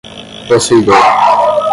possuidor